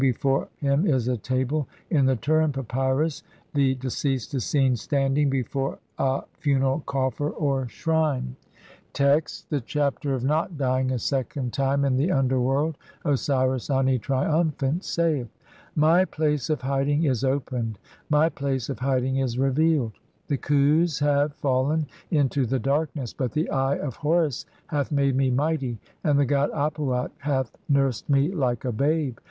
Before him is a table. In the Turin Papyrus (Lepsius, op. cit., Bl. 20) the deceased is seen standing before a funeral coffer or shrine. ",~ THE CHAPTER OF NOT SUFFERING CORRUPTION. 99 Text : (1) The Chapter of not dying a second time in THE UNDERWORLD. Osiris Ani, triumphant, saith :— "My place of hiding is opened, my place of hiding is revealed. "The Khus have (2) fallen into the darkness, but the Eye of "Horus hath made me mighty and the god Ap uat hath nursed "me like a babe.